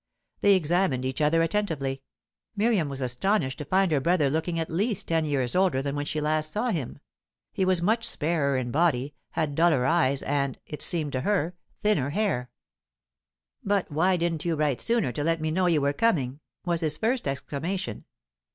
They examined each other attentively. Miriam was astonished to find her brother looking at least ten years older than when she last saw him; he was much sparer in body, had duller eyes and, it seemed to her, thinner hair. "But why didn't you write sooner to let me know you were coming?" was his first exclamation.